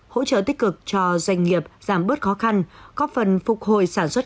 hỗ trợ tích cực cho doanh nghiệp giảm bớt khó khăn góp phần phục hồi sản xuất